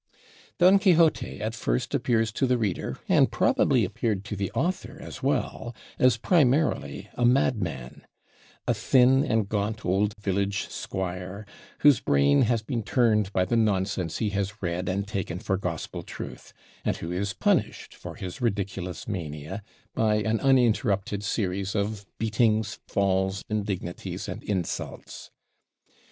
Don Quixote at first appears to the reader, and probably appeared to the author as well, as primarily a madman, a thin and gaunt old village squire, whose brain has been turned by the nonsense he has read and taken for gospel truth; and who is punished for his ridiculous mania by an uninterrupted series of beatings, falls, indignities, and insults.